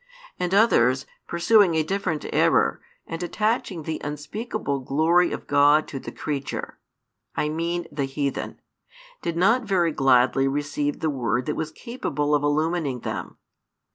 And others, pursuing a different error, and attaching the unspeakable glory of God to the creature, I mean the heathen, did not very gladly receive the word that was capable of illumining them.